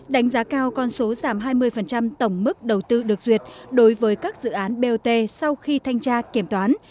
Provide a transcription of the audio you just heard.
đánh giá cao con số giảm hai mươi tổng mức đầu tư được duyệt đối với các dự án bot sau khi thanh tra kiểm toán